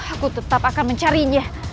aku tetap akan mencarinya